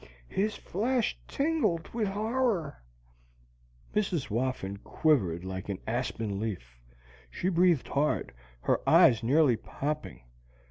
His flesh tingled with horror." Mrs. Whoffin quivered like an aspen leaf. She breathed hard, her eyes nearly popping.